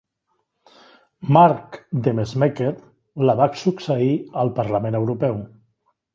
Mark Demesmaeker la va succeir al Parlament Europeu.